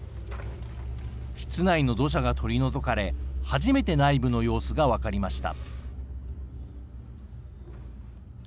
室内の土砂が取り除かれ、初めて内部の様子が分かりました。